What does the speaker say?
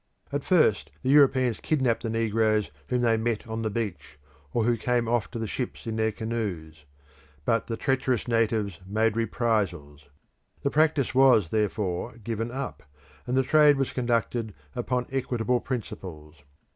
At first the Europeans kidnapped the negroes whom they met on the beach, or who came off to the ships in their canoes; but the "treacherous natives" made reprisals; the practice was, therefore, given up, and the trade was conducted upon equitable principles.